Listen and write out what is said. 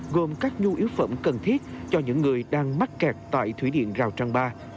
gồm các nhu yếu phẩm cần thiết cho những người đang mắc kẹt tại thủy điện rào trang ba